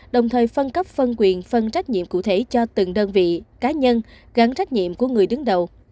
đồng thời phân cấp phân quyền phân trách nhiệm cụ thể cho từng đơn vị cá nhân gắn trách nhiệm của người đứng đầu